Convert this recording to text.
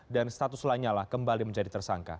dan status lanyala kembali menjadi tersangka